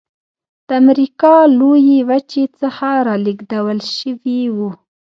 د امریکا لویې وچې څخه رالېږدول شوي وو.